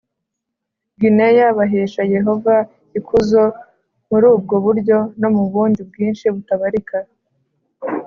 Gineya bahesha Yehova ikuzo muri ubwo buryo no mu bundi bwinshi butabarika